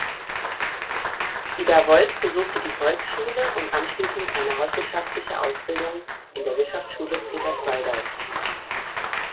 Ida Wolff besuchte die Volksschule und anschließend eine hauswirtschaftliche Ausbildung in der Wirtschaftsschule Peterswaldau.